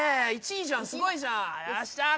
１位じゃんすごいじゃんよっしゃー